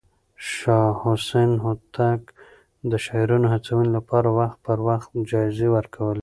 شاه حسين هوتک د شاعرانو هڅونې لپاره وخت پر وخت جايزې ورکولې.